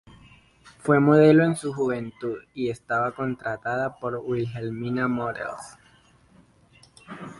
Fue modelo en su juventud y estaba contratada por Wilhelmina Models.